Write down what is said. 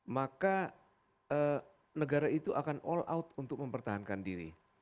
maka negara itu akan all out untuk mempertahankan diri